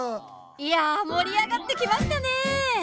いや盛り上がってきましたね！